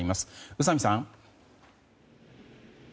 宇佐美さん。